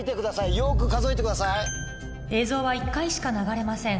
よく数えてください。